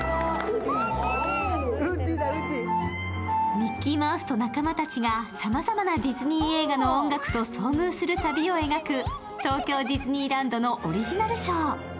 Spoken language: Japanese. ミッキーマウスと仲間たちがさまざまなディズニー映画の音楽と遭遇する旅を描く東京ディズニーランドのオリジナルショー。